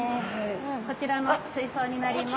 こちらの水槽になります。